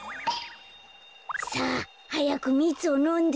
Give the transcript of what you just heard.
さあはやくみつをのんで。